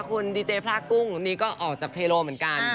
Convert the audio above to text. คุณดีเจพระกุ้งนี่ก็ออกจากเทโลเหมือนกัน